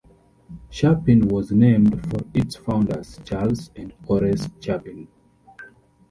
Chapin was named for its founders, Charles and Horace Chapin.